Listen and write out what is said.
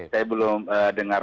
saya belum dengar